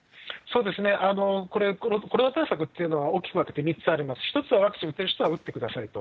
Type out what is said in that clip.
これ、コロナ対策というのは大きく分けて３つあります、１つはワクチン打てる人は打ってくださいと。